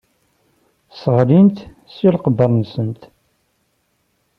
Sseɣlint s leqder-nsent.